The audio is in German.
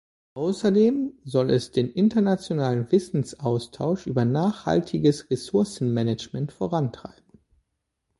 Außerdem soll es den internationalen Wissensaustausch über nachhaltiges Ressourcenmanagement vorantreiben.